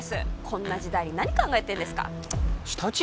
こんな時代に何考えてんですかチッ舌打ち？